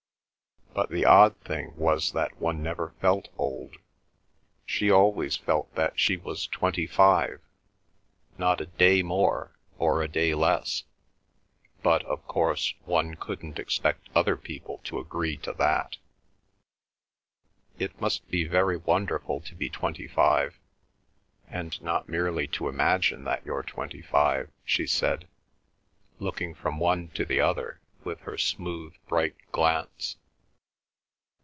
But the odd thing was that one never felt old. She always felt that she was twenty five, not a day more or a day less, but, of course, one couldn't expect other people to agree to that. "It must be very wonderful to be twenty five, and not merely to imagine that you're twenty five," she said, looking from one to the other with her smooth, bright glance.